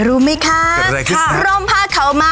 อืม